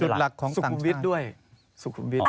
จุดหลักของต่างชาติ